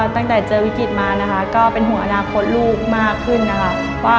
ตั้งแต่เจอวิกฤตมานะคะก็เป็นห่วงอนาคตลูกมากขึ้นนะคะ